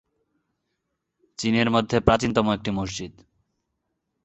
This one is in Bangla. চীনের মধ্যে প্রাচীনতম একটি মসজিদ।